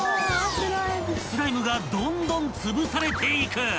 ［スライムがどんどんつぶされていく］